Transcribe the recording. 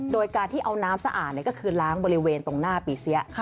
โดยการที่เอาน้ำสะอาดก็คือล้างบริเวณตรงหน้าปีเสีย